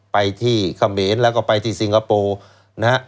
ไปที่เขมรแล้วก็ไปที่สิงคโปร์นะฮะ